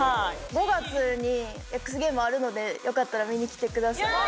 ５月に『ＸＧａｍｅｓ』あるのでよかったら見にきてください。